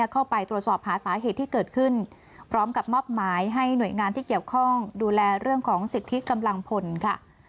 เข้าไปตรวจสอบหาสาเหตุที่เกิดขึ้นพร้อมกับมอบหมายให้หน่วยงานที่เกี่ยวข้องดูแลเรื่องของสิทธิกำลังพลค่ะ